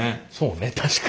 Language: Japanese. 確かにね。